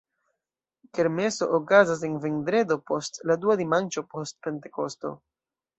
Kermeso okazas en vendredo post la dua dimanĉo post Pentekosto.